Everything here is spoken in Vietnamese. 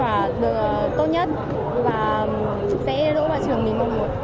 và sẽ đối với trường mình mong muốn